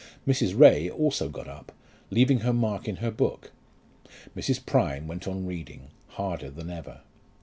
Mrs. Ray also got up, leaving her mark in her book. Mrs. Prime went on reading, harder than ever.